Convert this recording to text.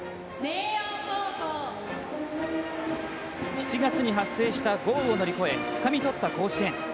７月に発生した豪雨を乗り越えつかみ取った甲子園。